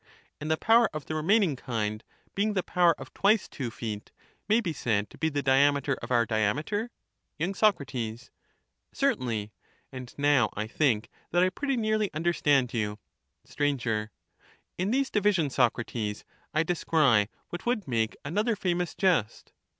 And the power of the remaining kind, being the power mathe of twice two feet, may be said to be the diameter of our ^jjaving diameter. a power of Y. Soc. Certainly ; and now I think that I pretty nearly Zm^u understand you. Sir. In these divisions, Socrates, I ^egcry what would make another famous jest.